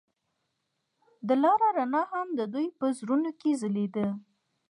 د لاره رڼا هم د دوی په زړونو کې ځلېده.